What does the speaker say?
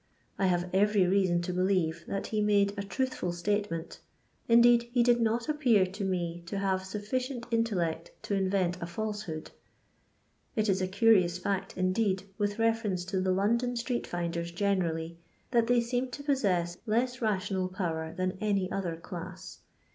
I have every reason to believe that he made a truthful statement, — ^indeed, he did not appear to me to have sufficient intellect to invent a £ilse hood. It is a curious £sct, indeed, with reference to the London street finders generally, that they seem to possess less rational power than any other class.